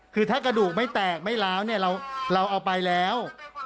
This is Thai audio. คือถ้ากระดูกไม่แตกไม่ล้าวเนี่ยเราเอาไปแล้ว